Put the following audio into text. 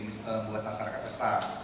membuat masyarakat besar